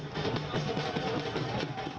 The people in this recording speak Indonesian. kita terus berdaya sudah baru di jojoatan